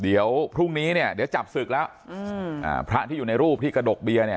เดี๋ยวพรุ่งนี้เนี่ยเดี๋ยวจับศึกแล้วอืมอ่าพระที่อยู่ในรูปที่กระดกเบียร์เนี่ย